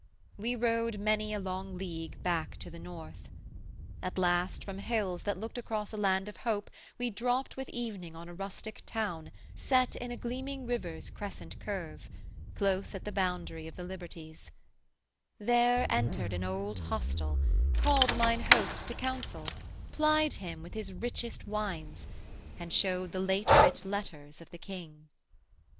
We rode Many a long league back to the North. At last From hills, that looked across a land of hope, We dropt with evening on a rustic town Set in a gleaming river's crescent curve, Close at the boundary of the liberties; There, entered an old hostel, called mine host To council, plied him with his richest wines, And showed the late writ letters of the king.